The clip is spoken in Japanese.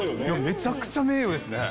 めちゃくちゃ名誉ですね。